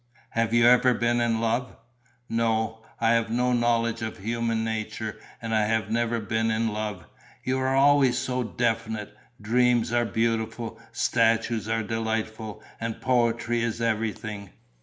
"Have you ever been in love?" "No. I have no knowledge of human nature and I have never been in love. You are always so definite. Dreams are beautiful, statues are delightful and poetry is everything.